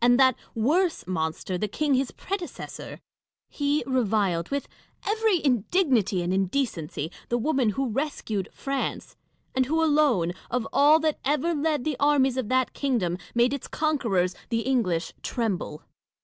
and that worse monster, the king his predecessor % He reviled, with every indignity and indecency, the woman who rescued France ; and who alone, of all that ever led the armies of that kingdom, made its conquerors — the English — tremble.